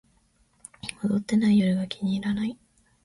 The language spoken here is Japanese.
踊ってない夜が気に入らない